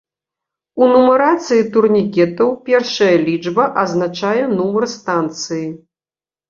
У нумарацыі турнікетаў першая лічба азначае нумар станцыі.